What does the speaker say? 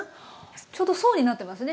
ちょうど層になってますね